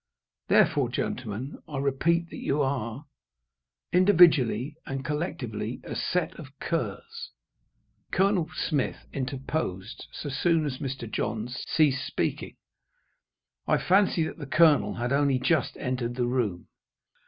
Therefore, gentlemen, I repeat that you are, individually and collectively, a set of curs." Colonel Smith interposed so soon as Mr. Johns ceased speaking. I fancy that the Colonel had only just entered the room.